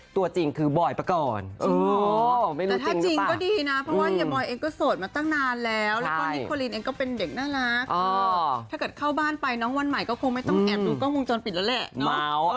ถ้าเกิดเข้าบ้านไปน้องวันใหม่ก็คงไม่ต้องแอบดูกล้องคลุมจนปิดแล้วแหละ